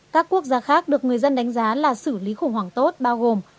các quốc gia khác được người dân đánh giá là xử lý khủng hoảng tốt bao gồm